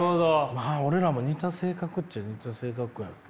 まあ俺らも似た性格っちゃ似た性格やから。